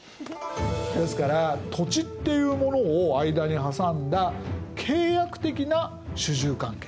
ですから土地っていうものを間に挟んだ契約的な主従関係。